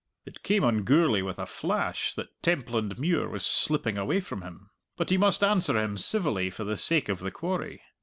It came on Gourlay with a flash that Templandmuir was slipping away from him. But he must answer him civilly for the sake of the quarry.